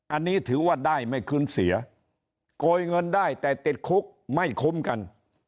อันนี้ถือว่าได้ไม่คืนเสียโกยเงินได้แต่ติดคุกไม่คุ้มกัน